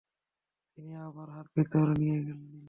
তিনি আবার হাত ভিতরে নিয়ে নিলেন।